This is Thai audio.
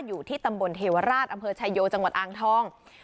อยู่ที่ตำบลเทวราชอำเภอชายโยจังหวัดอ่างทอง